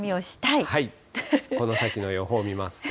この先の予報見ますと。